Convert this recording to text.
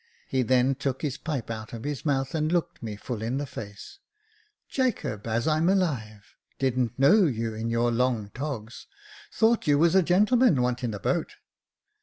He then took his pipe out of his mouth, and looked me full in the face. " Jacob, as I'm alive ! Didn't know you in your long togs — thought you was a gentleman wanting a boat.